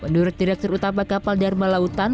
menurut direktur utama kapal dharma lautan